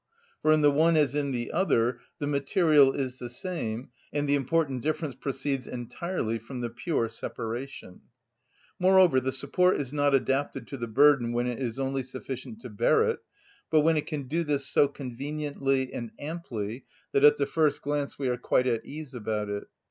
For in the one as in the other the material is the same, and the important difference proceeds entirely from the pure separation. Moreover, the support is not adapted to the burden when it is only sufficient to bear it, but when it can do this so conveniently and amply that at the first glance we are quite at ease about it.